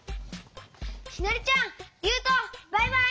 きなりちゃんゆうとバイバイ！